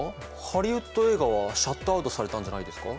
ハリウッド映画はシャットアウトされたんじゃないですか？